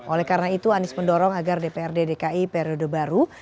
oleh karena itu anies mendorong agar dprd dki periode baru